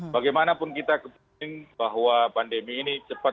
bagaimanapun kita kepenting bahwa pandemi ini cepat